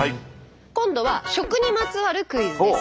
今度は食にまつわるクイズです。